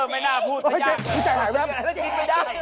ไม่น่าพูดแต่ยาก